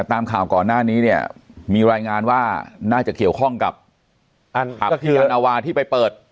ตามข่าวก่อนหน้านี้เนี่ยมีรายงานว่าน่าจะเกี่ยวข้องกับผับยานาวาที่ไปเปิด